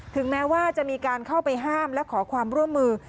ถึงแม้ว่าจะมีการเข้าไปห้ามและขอความร่วมมือ